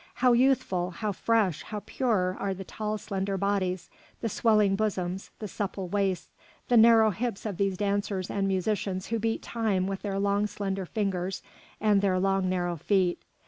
How youthful, how fresh, how pure are the tall, slender bodies, the swelling bosoms, the supple waists, the narrow hips of these dancers and musicians who beat time with their long, slender fingers and their long, narrow feet.